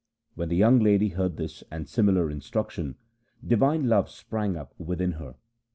When the young lady heard this and similar instruction, divine love sprang up within her.